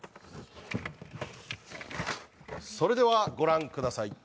それでは、ご覧ください。